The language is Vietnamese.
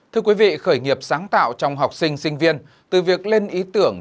thưa quý vị khởi nghiệp sáng tạo trong học sinh sinh viên từ việc lên ý tưởng